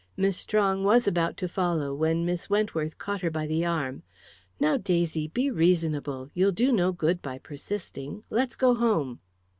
Miss Strong was about to follow, when Miss Wentworth caught her by the arm. "Now, Daisy, be reasonable you'll do no good by persisting let's go home."